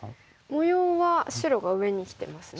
模様は白が上にきてますね。